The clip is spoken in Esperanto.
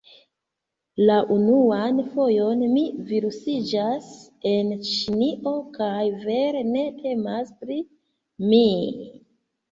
La unuan fojon - mi virusiĝas en Ĉinio, kaj, vere ne temas pri mi...